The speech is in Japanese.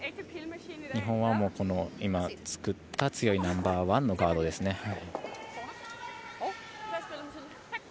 日本は今作った強いナンバーワンのガードですね。